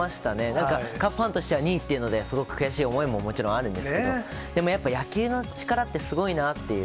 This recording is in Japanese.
なんかカープファンとしては２位というので、すごく悔しい思いもあるんですけど、でもやっぱ野球の力って、すごいなっていう。